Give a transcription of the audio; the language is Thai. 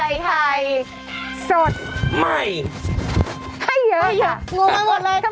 ยินดีค่ะ